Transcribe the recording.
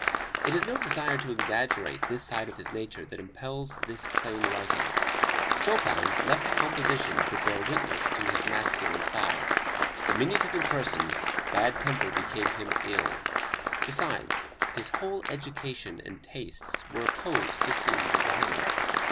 It is no desire to exaggerate this side of his nature that impels this plain writing. Chopin left compositions that bear witness to his masculine side. Diminutive in person, bad temper became him ill; besides, his whole education and tastes were opposed to scenes of violence.